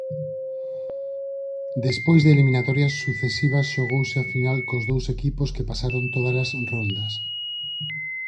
Despois de eliminatorias sucesivas xogouse a final cos dous equipos que pasaron tódalas roldas.